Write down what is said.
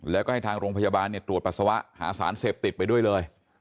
แล้วก็ให้ทางโรงพยาบาลตรวจปัสสาวะหาสารเสพติดไปด้วยเลย